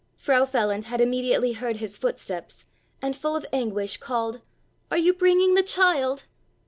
Frau Feland had immediately heard his footsteps and full of anguish called: "Are you bringing the child?"